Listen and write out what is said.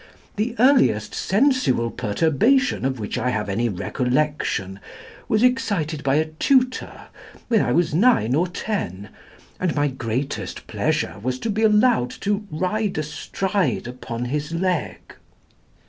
The earliest sensual perturbation of which I have any recollection was excited by a tutor, when I was nine or ten, and my greatest pleasure was to be allowed to ride astride upon his leg."